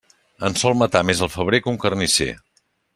En sol matar més el febrer que un carnisser.